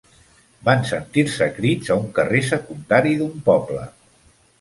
Van sentir-se crits a un carrer secundari d'un poble.